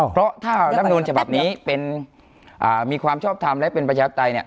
เพราะถ้ารัฐบุญชบับนี้มีความชอบทำและเป็นประชาธิปไตร